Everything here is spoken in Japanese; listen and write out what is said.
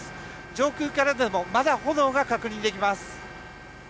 上空からでもまだ炎が確認できます。